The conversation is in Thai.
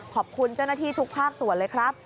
ขอบคุณเจ้าหน้าที่ทุกภาคส่วนเลยครับ